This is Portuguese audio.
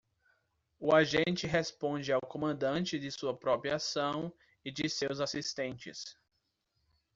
O agente responde ao comandante de sua própria ação e de seus assistentes.